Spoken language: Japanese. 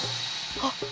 あっ。